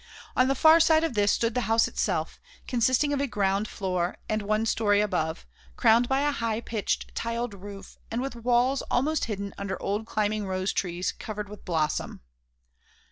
On the far side of this stood the house itself, consisting of a ground floor and one storey above, crowned by a high pitched tiled roof and with walls almost hidden under old climbing rose trees covered with blossom.